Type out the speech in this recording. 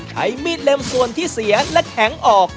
ใช้มีดเล็มส่วนที่เสียและแข็งออก